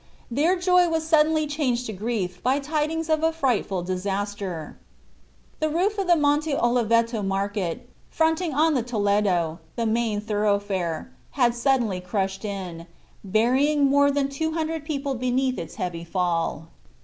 Their joy was suddenly changed to grief by tidings of a frightful disaster. The roof of the Monte Oliveto market, fronting on the Toledo, the main thoroughfare, had suddenly crushed in, burying more than 200 people beneath its heavy fall.